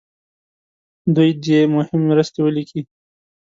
دوی دې مهمې مرستې ولیکي.